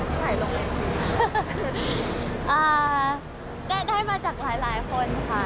ใช่พี่ณเดชน์ไหมคะ